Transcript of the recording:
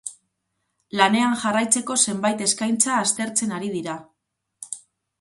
Lanean jarraitzeko zenbait eskaintza aztertzen ari dira.